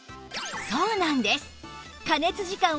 そうなんです！